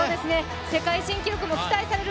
世界新記録も期待される